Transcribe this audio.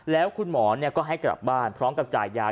แล้วคุณหมอก็ให้กลับบ้านพร้อมกับจ่ายยา